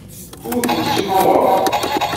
Ur tent-ssuffuɣeɣ.